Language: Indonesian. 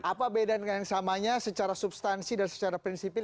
apa beda dengan yang samanya secara substansi dan secara prinsipil